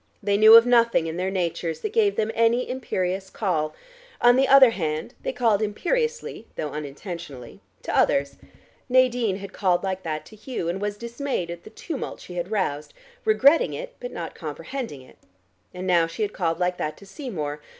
They knew of nothing in their natures that gave them any imperious call; on the other hand they called imperiously though unintentionally to others. Nadine had called like that to Hugh, and was dismayed at the tumult she had roused, regretting it, but not comprehending it. And now she had called like that to Seymour.